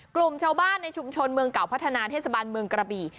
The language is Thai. กลุ่มชาวบ้านในชุมชนเมืองเก่าพัฒนาเทศบาลเมืองกระบี่